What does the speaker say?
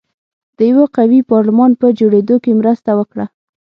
د یوه قوي پارلمان په جوړېدو کې مرسته وکړه.